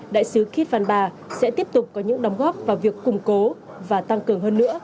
đại sứ kitvan ba sẽ tiếp tục có những đóng góp vào việc củng cố và tăng cường hơn nữa